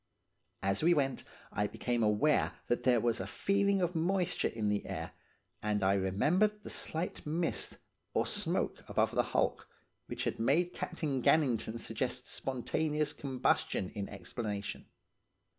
As we went, I became aware that there was a feeling of moisture in the air, and I remembered the slight mist, or smoke, above the hulk, which had made Captain Gannington suggest spontaneous combustion in explanation.